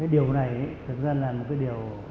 điều này thực ra là một cái điều